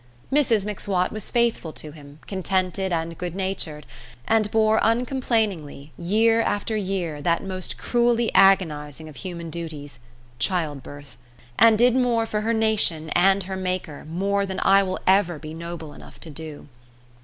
Mrs M'Swat was faithful to him, contented and good natured, and bore uncomplainingly, year after year, that most cruelly agonising of human duties childbirth, and did more for her nation and her Maker than I will ever be noble enough to do.